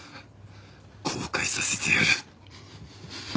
後悔させてやる。